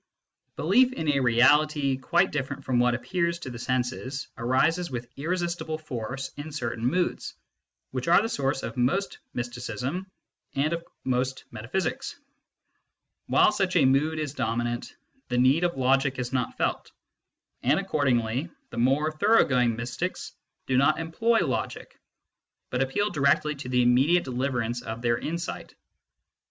Belief in a reality quite different from what appears to the senses arises with irresistible force in certain moods, which are the source of most mysticism, and of most metaphysics While such a mood is dominant, the need of logic is not felt, and accordingly the more thorough going mystics do not employ logic, but appeal directly to the immediate deliverance of their insight.